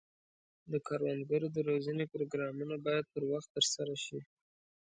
د کروندګرو د روزنې پروګرامونه باید پر وخت ترسره شي.